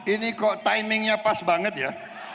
ini kok timingnya pas banget ya